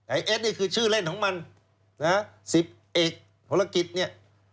ไอ้เอสนี่คือชื่อเล่นของมันสิบเอกธุรกิจนี่